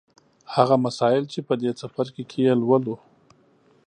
هغه مسایل چې په دې څپرکي کې یې لولو